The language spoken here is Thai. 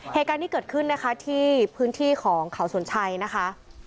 เหตุการณ์ที่เกิดขึ้นนะคะที่พื้นที่ของเขาสนชัยนะคะ